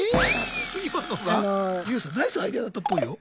ＹＯＵさんナイスアイデアだったっぽいよ？